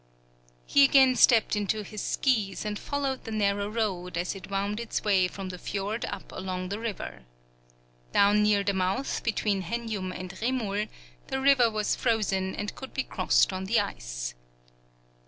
He again stepped into his skees and followed the narrow road, as it wound its way from the fjord up along the river. Down near the mouth, between Henjum and Rimul, the river was frozen, and could be crossed on the ice.